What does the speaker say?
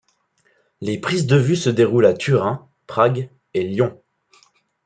Les prises de vues se déroulent à Turin, Prague et Lyon.